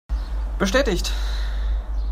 Bestätigt!